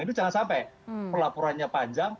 itu jangan sampai pelaporannya panjang